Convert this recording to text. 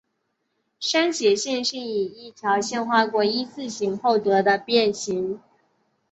删节线是以一条线划过一字形后所得的变型。